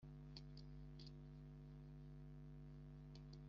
…Umunsi utazibagirana mu buzima bwacu